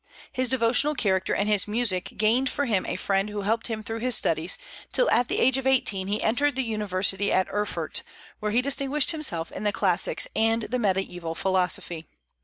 His devotional character and his music gained for him a friend who helped him through his studies, till at the age of eighteen he entered the University at Erfurt, where he distinguished himself in the classics and the Mediaeval philosophy.